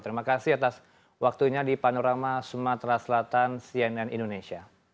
terima kasih atas waktunya di panorama sumatera selatan cnn indonesia